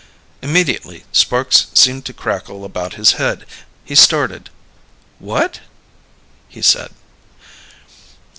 Immediately sparks seemed to crackle about his head. He started. "What?" he said.